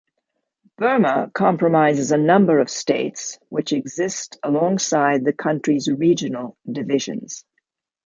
Burma comprises a number of "states", which exist alongside the country's regional divisions.